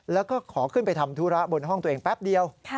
แล้วก็ขอขึ้นไปทำธุระบนห้องตัวเองแป๊บเดียว